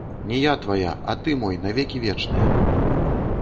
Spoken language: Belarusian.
Не я твая, а ты мой на векі вечныя!